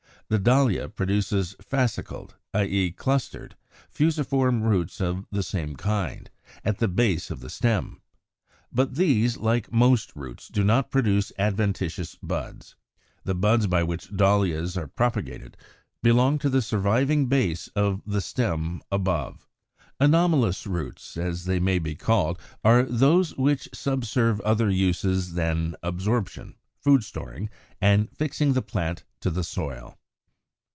The Dahlia produces fascicled (i. e. clustered) fusiform roots of the same kind, at the base of the stem (Fig. 87): but these, like most roots, do not produce adventitious buds. The buds by which Dahlias are propagated belong to the surviving base of the stem above. 78. =Anomalous Roots=, as they may be called, are those which subserve other uses than absorption, food storing, and fixing the plant to the soil.